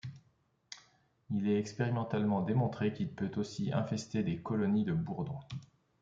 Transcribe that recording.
Il est expérimentalement démontré qu'il peut aussi infester des colonies de bourdons.